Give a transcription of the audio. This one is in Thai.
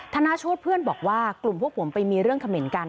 ธนาโชธเพื่อนบอกว่ากลุ่มพวกผมไปมีเรื่องเขมรกัน